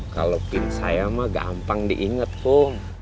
kalau pin saya mah gampang diinget tuh